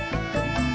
ntar asal dua gih